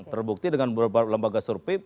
terbukti dengan beberapa lembaga survei